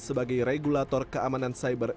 sebagai regulator keamanan cyber